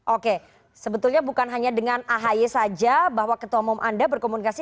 oke sebetulnya bukan hanya dengan ahy saja bahwa ketua umum anda berkomunikasi